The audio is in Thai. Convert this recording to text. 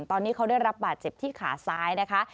ตอนนี้เขาได้รับบาดเจ็บที่ขาซ้ายนะคะ